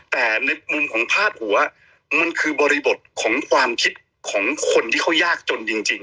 แต่ในมุมของพาดหัวมันคือบริบทของความคิดของคนที่เขายากจนจริง